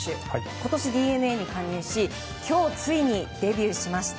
今年ＤｅＮＡに加入し今日ついにデビューしました。